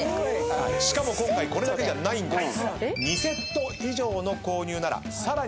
しかも今回これだけじゃないんです。